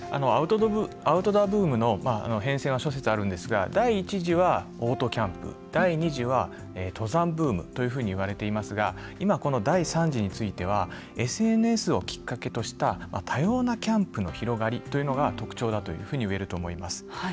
アウトドアブームの変遷は諸説あるんですが第１次は、オートキャンプ第２次は、登山ブームというふうにいわれていますが今、この第３次についてはＳＮＳをきっかけとした多様なキャンプの広がりというのが特徴だといえると思います。